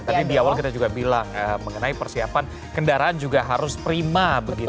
tadi di awal kita juga bilang mengenai persiapan kendaraan juga harus prima begitu